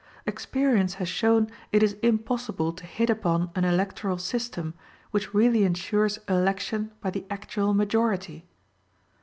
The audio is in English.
Experience has shown it is impossible to hit upon an electoral system which really ensures election by the actual majority.